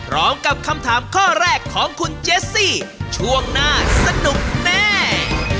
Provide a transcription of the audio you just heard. ร้องกับคำถามข้อแรกของคุณเจสซี่ช่วงหน้าสนุกแน่